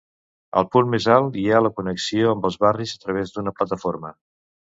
Al punt més alt hi ha la connexió amb els barris a través d'una plataforma.